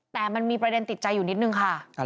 แต่มันมีประเด็นติดใจอยู่นิดนึงค่ะ